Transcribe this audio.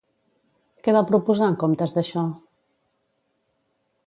Què va proposar en comptes d'això?